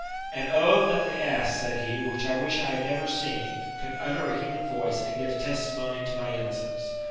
'' And O that the ass," said he, " which I wish I had never seen, could utter a human voice, and give testimony to my innocence.